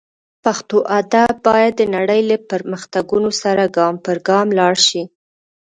پښتو ادب باید د نړۍ له پرمختګونو سره ګام پر ګام لاړ شي